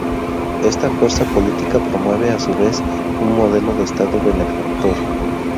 Esta fuerza política promueve, a su vez, un modelo de Estado benefactor.